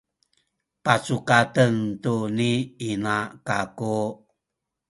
pacukaten tu ni ina kaku